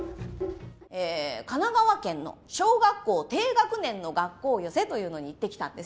神奈川県の小学校低学年の学校寄席というのに行ってきたんです。